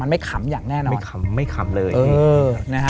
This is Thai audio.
มันไม่ขำอย่างแน่นอนไม่ขำเลย